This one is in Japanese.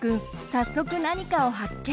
早速何かを発見。